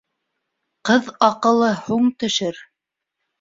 Ҡыҙ аҡылы һуң төшөр